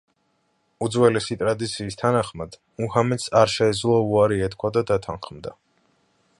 უძველესი ტრადიციის თანახმად, მუჰამედს არ შეეძლო უარი ეთქვა და დათანხმდა.